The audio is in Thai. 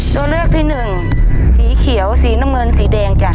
โดยเลือกที่๑สีเขียวสีน้ำเมินสีแดง